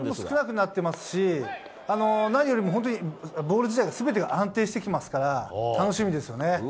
少なくなってますし何よりもボール自体が全てが安定してきていますから楽しみですよね。